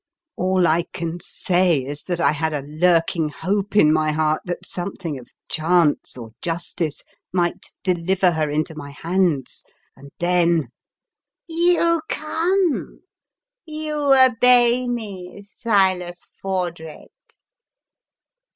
All I can say is that I had a lurking hope in my heart that something of chance or justice might deliver her into my hands, and then '• You come! you obey me, Silas Fordred!